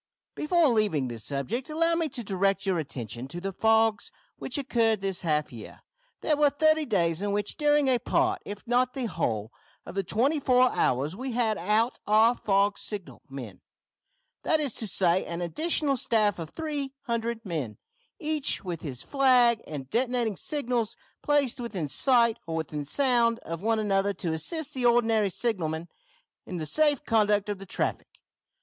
"Before leaving this subject allow me to direct your attention to the fogs which occurred this half year. There were thirty days in which during a part, if not the whole, of the twenty four hours we had out our fog signal men; that is to say, an additional staff of 300 men, each with his flag and detonating signals, placed within sight, or within sound of one another, to assist the ordinary signalmen in the safe conduct of the traffic.